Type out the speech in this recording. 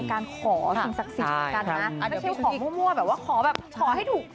อ่าไม่ใช่ขอมั่วขอแบบขอให้ถูก